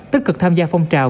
tích cực tham gia phong trào